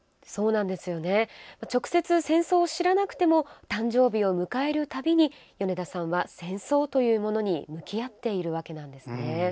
直接戦争を知らなくても誕生日を迎えるたびに米田さんは戦争というものに向き合っているわけなんですね。